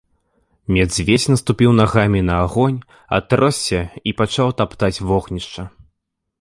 Мядзведзь наступіў нагамі на агонь, атросся і пачаў таптаць вогнішча.